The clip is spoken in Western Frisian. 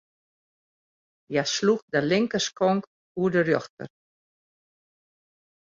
Hja sloech de linkerskonk oer de rjochter.